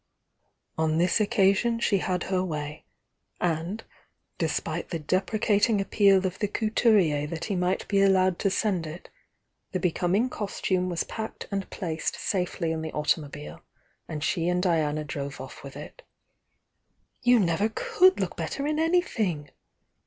On this occasion she had her way, and, despite the deprecating appeal of the couturier that he might be allowed to send it, the becoming costume was packed and placed safely in the automobile, and she and Diana drove off with it. "You never could look better in anything!"